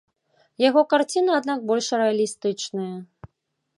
Яго карціны, аднак, больш рэалістычныя.